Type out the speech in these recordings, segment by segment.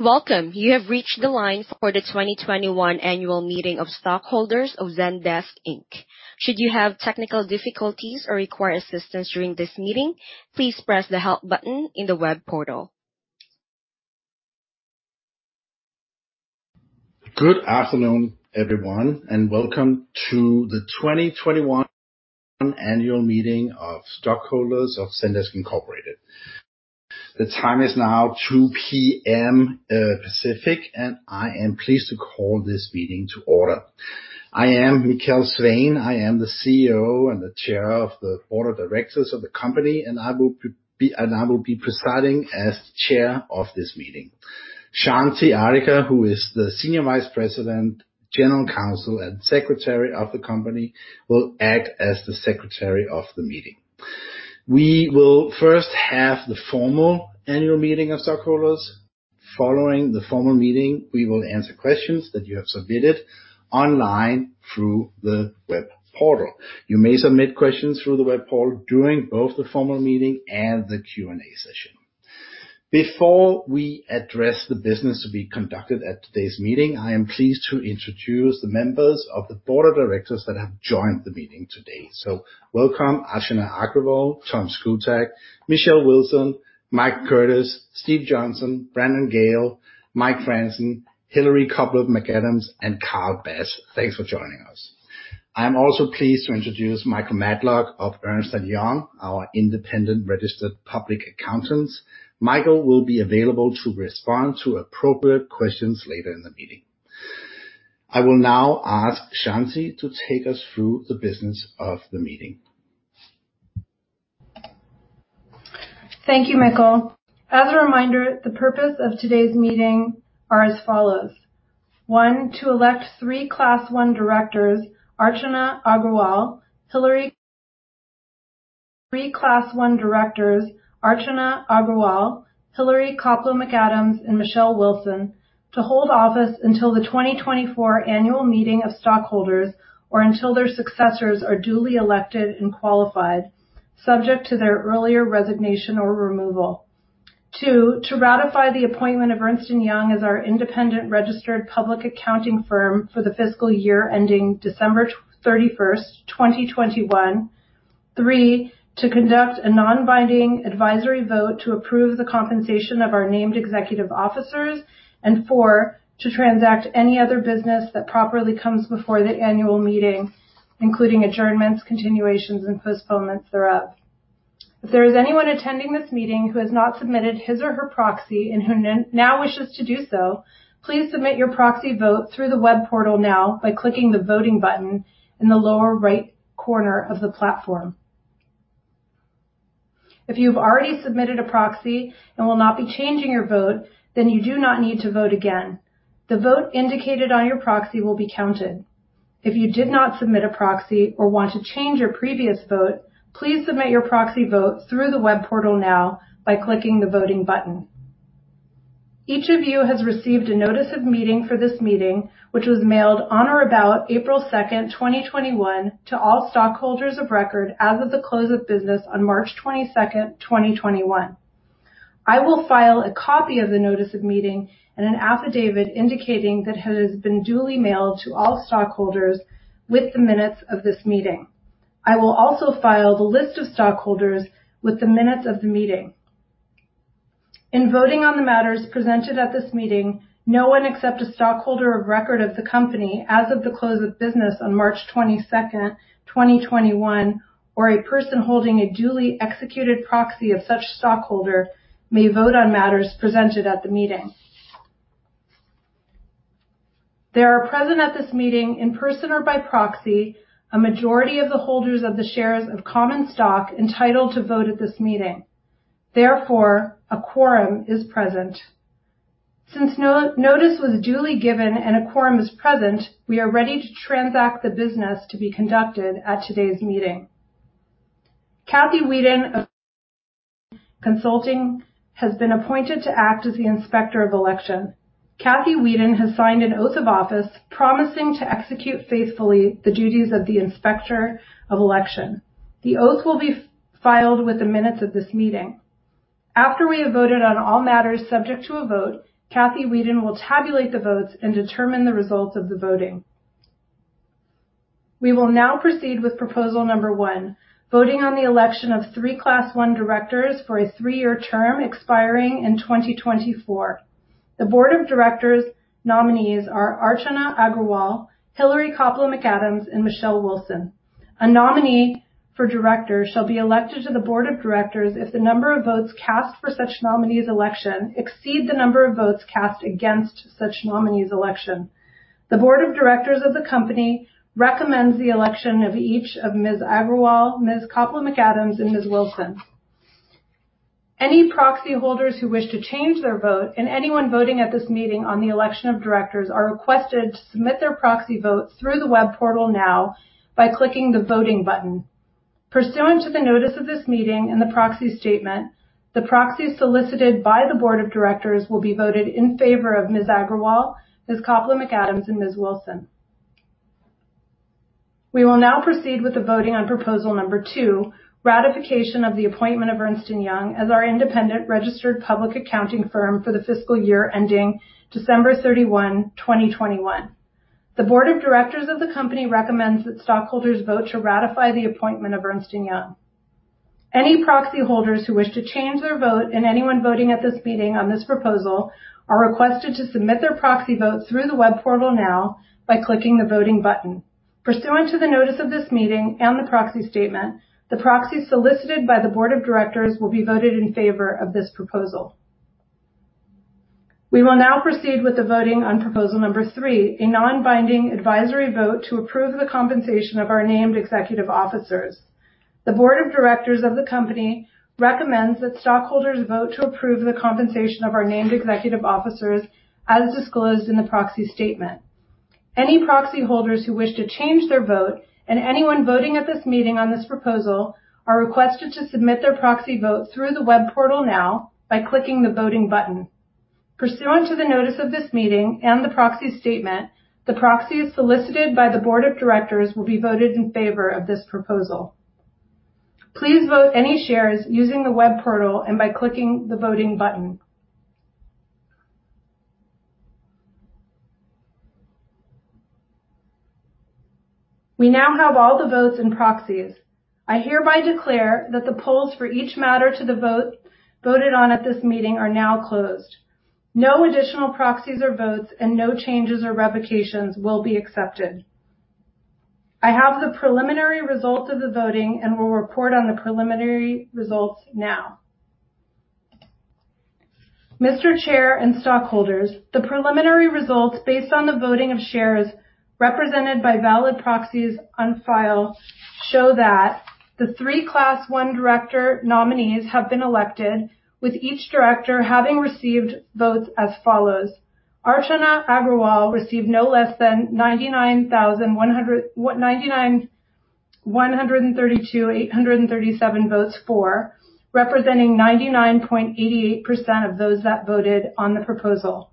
Welcome. You have reached the line for the 2021 annual meeting of stockholders of Zendesk, Inc.. Should you have technical difficulties or require assistance during this meeting, please press the Help button in the web portal. Good afternoon, everyone. Welcome to the 2021 annual meeting of stockholders of Zendesk, Inc. The time is now 2:00 PM Pacific. I am pleased to call this meeting to order. I am Mikkel Svane. I am the CEO and the Chair of the Board of Directors of the company, and I will be presiding as Chair of this meeting. Shanti Ariker, who is the Senior Vice President, General Counsel, and Secretary of the company, will act as the Secretary of the meeting. We will first have the formal annual meeting of stockholders. Following the formal meeting, we will answer questions that you have submitted online through the web portal. You may submit questions through the web portal during both the formal meeting and the Q&A session. Before we address the business to be conducted at today's meeting, I am pleased to introduce the members of the board of directors that have joined the meeting today. Welcome, Archana Agrawal, Thomas Szkutak, Michelle Wilson, Mike Curtis, Steve Johnson, Brandon Gayle, Michael Frandsen, Hilarie Koplow-McAdams, and Carl Bass. Thanks for joining us. I'm also pleased to introduce Michael Matlock of Ernst & Young, our independent registered public accountant. Michael will be available to respond to appropriate questions later in the meeting. I will now ask Shanti to take us through the business of the meeting. Thank you, Mikkel. As a reminder, the purpose of today's meeting are as follows. One, to elect three Class I directors, Archana Agrawal, Hilarie Koplow-McAdams, and Michelle Wilson, to hold office until the 2024 annual meeting of stockholders, or until their successors are duly elected and qualified, subject to their earlier resignation or removal. Two, to ratify the appointment of Ernst & Young as our independent registered public accounting firm for the fiscal year ending December 31st, 2021. Three, to conduct a non-binding advisory vote to approve the compensation of our named executive officers. Four, to transact any other business that properly comes before the annual meeting, including adjournments, continuations, and postponements thereof. If there is anyone attending this meeting who has not submitted his or her proxy and who now wishes to do so, please submit your proxy vote through the web portal now by clicking the Voting button in the lower right corner of the platform. If you've already submitted a proxy and will not be changing your vote, then you do not need to vote again. The vote indicated on your proxy will be counted. If you did not submit a proxy or want to change your previous vote, please submit your proxy vote through the web portal now by clicking the Voting button. Each of you has received a notice of meeting for this meeting, which was mailed on or about April 2nd, 2021, to all stockholders of record as of the close of business on March 22nd, 2021. I will file a copy of the notice of meeting and an affidavit indicating that it has been duly mailed to all stockholders with the minutes of this meeting. I will also file the list of stockholders with the minutes of the meeting. In voting on the matters presented at this meeting, no one except a stockholder of record of the company as of the close of business on March 22nd, 2021, or a person holding a duly executed proxy of such stockholder may vote on matters presented at the meeting. There are present at this meeting, in person or by proxy, a majority of the holders of the shares of common stock entitled to vote at this meeting. Therefore, a quorum is present. Since notice was duly given and a quorum is present, we are ready to transact the business to be conducted at today's meeting. Kathy Weeden of Consulting has been appointed to act as the Inspector of Election. Kathy Weeden has signed an oath of office promising to execute faithfully the duties of the Inspector of Election. The oath will be filed with the minutes of this meeting. After we have voted on all matters subject to a vote, Kathy Weeden will tabulate the votes and determine the results of the voting. We will now proceed with proposal number one, voting on the election of three Class I directors for a three-year term expiring in 2024. The Board of Directors nominees are Archana Agrawal, Hilarie Koplow-McAdams, and Michelle Wilson. A nominee for director shall be elected to the Board of Directors if the number of votes cast for such nominee's election exceed the number of votes cast against such nominee's election. The board of directors of the company recommends the election of each of Ms. Agrawal, Ms. Koplow-McAdams, and Ms. Wilson. Any proxy holders who wish to change their vote and anyone voting at this meeting on the election of directors are requested to submit their proxy votes through the web portal now by clicking the Voting button. Pursuant to the notice of this meeting and the proxy statement, the proxies solicited by the board of directors will be voted in favor of Ms. Agrawal, Ms. Koplow-McAdams, and Ms. Wilson. We will now proceed with the voting on proposal number 2, ratification of the appointment of Ernst & Young as our independent registered public accounting firm for the fiscal year ending December 31, 2021. The board of directors of the company recommends that stockholders vote to ratify the appointment of Ernst & Young. Any proxy holders who wish to change their vote and anyone voting at this meeting on this proposal are requested to submit their proxy votes through the web portal now by clicking the voting button. Pursuant to the notice of this meeting and the proxy statement, the proxies solicited by the board of directors will be voted in favor of this proposal. We will now proceed with the voting on proposal number 3, a non-binding advisory vote to approve the compensation of our named executive officers. The board of directors of the company recommends that stockholders vote to approve the compensation of our named executive officers as disclosed in the proxy statement. Any proxy holders who wish to change their vote and anyone voting at this meeting on this proposal are requested to submit their proxy votes through the web portal now by clicking the voting button. Pursuant to the notice of this meeting and the proxy statement, the proxies solicited by the board of directors will be voted in favor of this proposal. Please vote any shares using the web portal and by clicking the voting button. We now have all the votes and proxies. I hereby declare that the polls for each matter to the vote voted on at this meeting are now closed. No additional proxies or votes and no changes or revocations will be accepted. I have the preliminary results of the voting and will report on the preliminary results now. Mr. Chair and stockholders, the preliminary results based on the voting of shares represented by valid proxies on file show that the three Class I director nominees have been elected, with each director having received votes as follows. Archana Agrawal received no less than 99,132,837 votes for, representing 99.88% of those that voted on the proposal.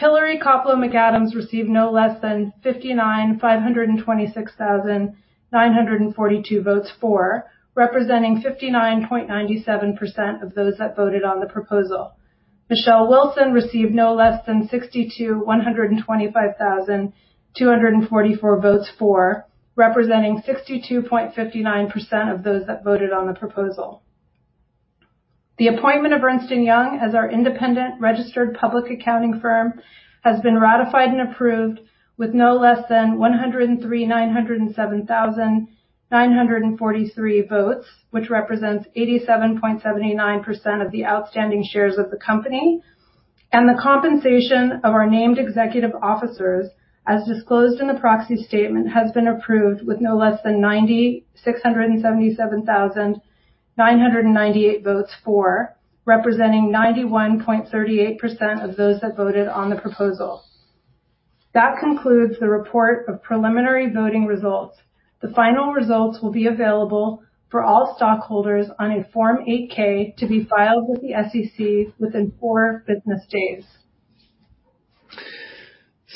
Hilarie Koplow-McAdams received no less than 59,526,942 votes for, representing 59.97% of those that voted on the proposal. Michelle Wilson received no less than 62,125,244 votes for, representing 62.59% of those that voted on the proposal. The appointment of Ernst & Young as our independent registered public accounting firm has been ratified and approved with no less than 103,907,943 votes, which represents 87.79% of the outstanding shares of the company. The compensation of our named executive officers, as disclosed in the proxy statement, has been approved with no less than 90,677,998 votes for, representing 91.38% of those that voted on the proposal. That concludes the report of preliminary voting results. The final results will be available for all stockholders on a Form 8-K to be filed with the SEC within four business days.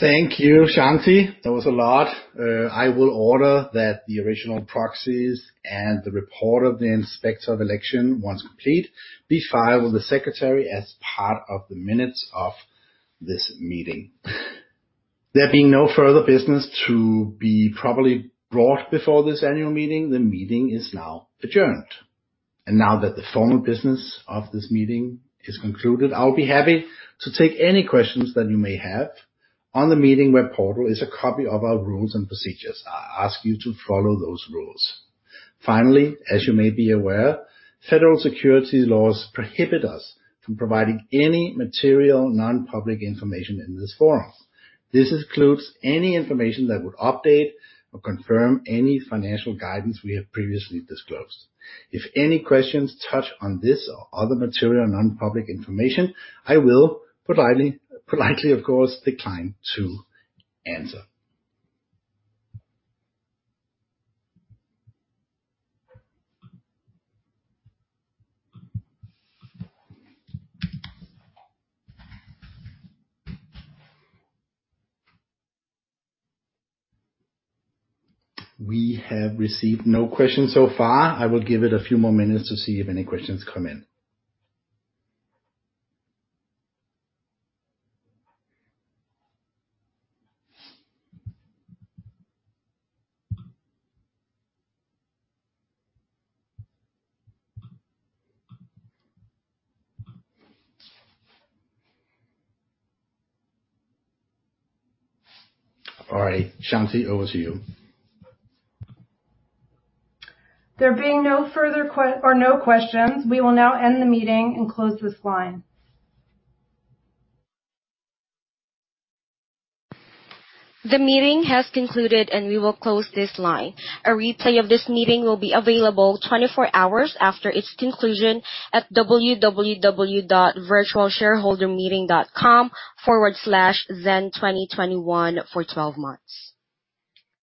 Thank you, Shanti. That was a lot. I will order that the original proxies and the report of the inspector of election, once complete, be filed with the secretary as part of the minutes of this meeting. There being no further business to be properly brought before this annual meeting, the meeting is now adjourned. Now that the formal business of this meeting is concluded, I'll be happy to take any questions that you may have. On the meeting web portal is a copy of our rules and procedures. I ask you to follow those rules. Finally, as you may be aware, federal securities laws prohibit us from providing any material non-public information in this forum. This includes any information that would update or confirm any financial guidance we have previously disclosed. If any questions touch on this or other material non-public information, I will politely, of course, decline to answer. We have received no questions so far. I will give it a few more minutes to see if any questions come in. All right. Shanti, over to you. There being no questions, we will now end the meeting and close this line. The meeting has concluded, and we will close this line. A replay of this meeting will be available 24 hours after its conclusion at www.virtualshareholdermeeting.com/ZEN2021 for 12 months.